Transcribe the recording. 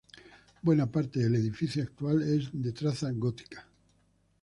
Buena parte del edificio actual es de traza gótica.